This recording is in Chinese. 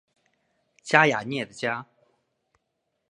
加雅涅的家。